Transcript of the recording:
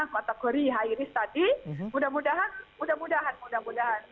kategori high risk tadi mudah mudahan mudah mudahan